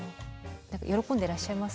喜んでらっしゃいます？